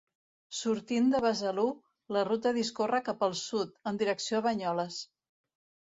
Sortint de Besalú, la ruta discorre cap al sud, en direcció a Banyoles.